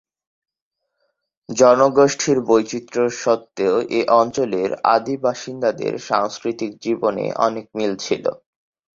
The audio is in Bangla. জনগোষ্ঠীর বৈচিত্র্য সত্ত্বেও এ অঞ্চলের আদি বাসিন্দাদের সাংস্কৃতিক জীবনে অনেক মিল ছিল।